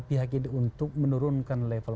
pihak ini untuk menurunkan level